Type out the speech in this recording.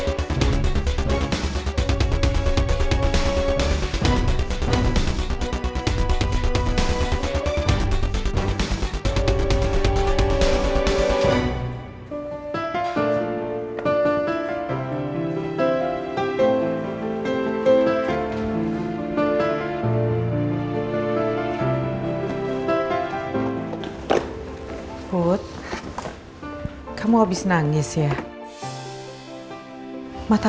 actually ini gimana sebenarnya